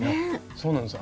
そうなんです